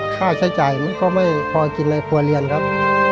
ค่าใช้จ่ายมันก็ไม่พอกินในครัวเรือนครับ